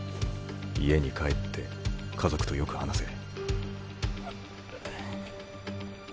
家に帰って家族とよく話せ。